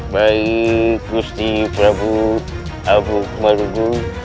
baik kusti prabu amok marugul